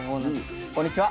こんにちは。